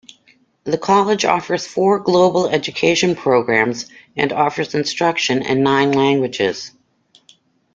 The college offers four global education programs and offers instruction in nine languages.